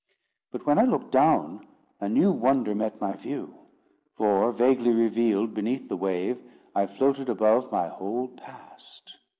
But when I looked down, a new wonder met my view. For, vaguely revealed beneath the wave, I floated above my whole Past.